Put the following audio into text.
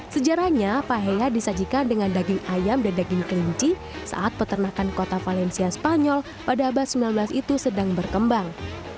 sejarahnya pahea disajikan dengan daging ayam dan daging kelinci saat peternakan kota valencia spanyol pada abad sembilan belas itu sedang berkembang